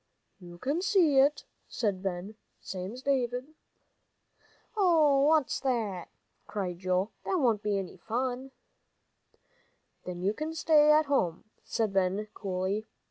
"You can see it," said Ben, "same's David." "Hoh! what's that!" cried Joel; "that won't be any fun." "Then you can stay at home," said Ben, coolly.